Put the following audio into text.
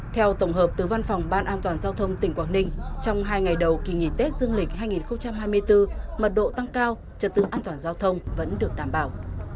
theo tổng hợp từ văn phòng ban an toàn giao thông tỉnh quảng ninh trong hai ngày đầu kỳ nghỉ tết dương lịch hai nghìn hai mươi bốn mật độ tăng cao trật tự an toàn giao thông vẫn được đảm bảo